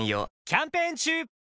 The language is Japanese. キャンペーン中！